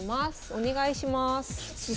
お願いします。